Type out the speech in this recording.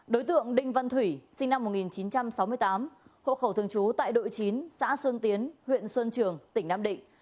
đối tượng đinh văn thủy sinh năm một nghìn chín trăm sáu mươi tám hộ khẩu thường trú tại đội chín xã xuân tiến huyện xuân trường tỉnh nam định